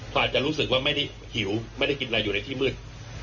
ก็อาจจะรู้สึกว่าไม่ได้หิวไม่ได้กินอะไรอยู่ในที่มืด